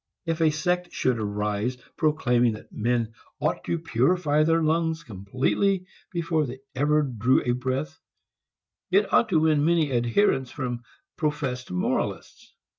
If a sect should arise proclaiming that men ought to purify their lungs completely before they ever drew a breath it ought to win many adherents from professed moralists.